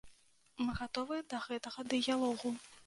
Мы гатовы да гэтага дыялогу.